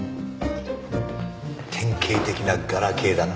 典型的なガラ刑だな。